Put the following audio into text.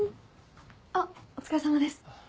あっお疲れさまです。